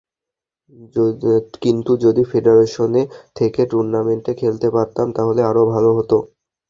কিন্তু যদি ফেডারেশনে থেকে টুর্নামেন্টে খেলতে পারতাম, তাহলে আরও ভালো হতো।